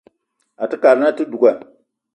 Àte kad na àte duga